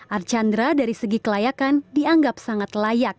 archandra dari segi kelayakan dianggap sangat layak